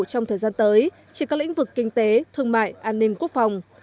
trong thời gian tới trên các lĩnh vực kinh tế thương mại an ninh quốc phòng